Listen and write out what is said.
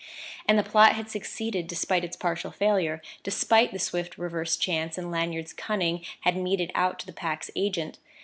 And the plot had succeeded despite its partial failure, despite the swift reverse chance and Lanyard's cunning had meted out to the Pack's agent.